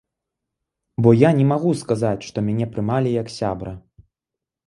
Бо я не магу сказаць, што мяне прымалі як сябра.